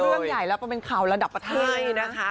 ตอนนั้นเป็นเรื่องใหญ่แล้วก็เป็นข่าวระดับแท้